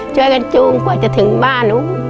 ช่วยกันจูงกว่าจะถึงบ้าน